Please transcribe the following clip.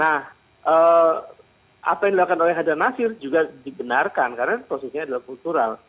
nah apa yang dilakukan oleh hadan nasir juga dibenarkan karena posisinya adalah kultural